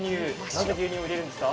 なぜ牛乳を入れるんですか。